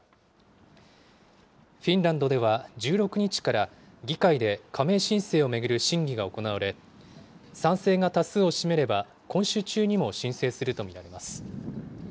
フィンランドでは１６日から議会で加盟申請を巡る審議が行われ、賛成が多数を占めれば、今週中にも申請すると見られます。